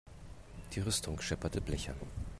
Die Rüstung schepperte blechern.